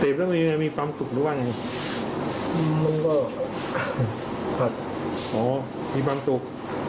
เสพแล้วมีมีความสุขหรือว่าไงมันก็ครับอ๋อมีความสุข